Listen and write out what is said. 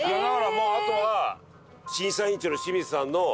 もうあとは審査委員長の清水さんの。